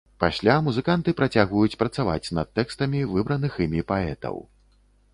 Пасля музыканты працягваюць працаваць над тэкстамі выбраных імі паэтаў.